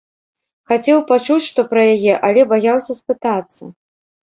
Хацеў пачуць што пра яе, але баяўся спытацца.